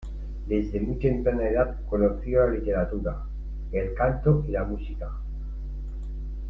Desde muy temprana edad conoció la literatura, el canto y la música.